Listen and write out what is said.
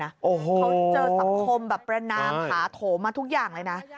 เจอสัมคมแบบแรนด์น้ำผาถโถมาทุกอย่างเลยนะ